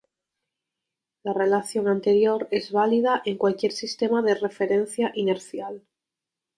La relación anterior es válida en cualquier sistema de referencia inercial.